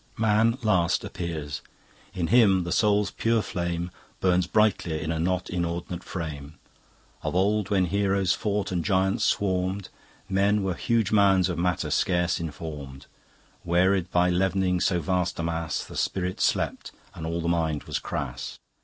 Man last appears. In him the Soul's pure flame Burns brightlier in a not inord'nate frame. Of old when Heroes fought and Giants swarmed, Men were huge mounds of matter scarce inform'd; Wearied by leavening so vast a mass, The spirit slept and all the mind was crass.